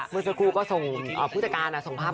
เมื่อสักครู่ก็ส่งผู้จัดการส่งภาพ